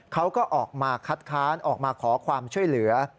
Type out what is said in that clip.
เขาก็ออกมาคัดค้านออกมาขอความช่วยเหลือ